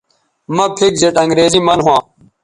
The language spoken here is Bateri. مہ پِھک جیٹ انگریزی من ھواں